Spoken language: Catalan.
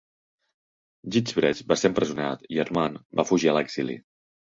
Gijsbrecht va ser empresonat, i Herman va fugir a l'exili.